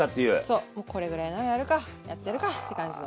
そうもうこれぐらいならやるかやってやるかって感じの。